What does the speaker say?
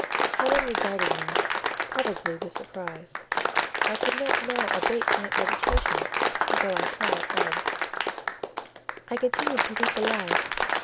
Helen regarded me, probably with surprise: I could not now abate my agitation, though I tried hard; I continued to weep aloud.